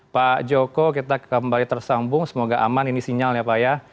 pak joko kita kembali tersambung semoga aman ini sinyalnya pak ya